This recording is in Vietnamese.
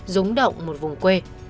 rúng động một vùng quê